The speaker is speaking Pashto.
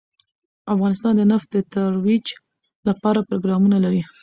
افغانستان د نفت د ترویج لپاره پروګرامونه لري.